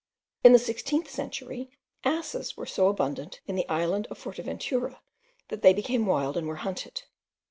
In the sixteenth century, asses were so abundant in the island of Forteventura, that they became wild and were hunted.